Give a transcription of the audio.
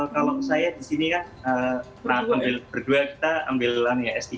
kalau saya di sini kan berdua kita ambil ya s tiga